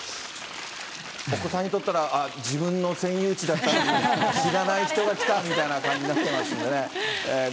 お子さんにとったら、自分の占有地だったのに、知らない人が来たみたいな感じになってますんでね。